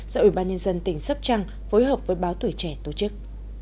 do ủy ban nhân dân tỉnh sóc trăng phối hợp với báo tuổi trẻ tổ chức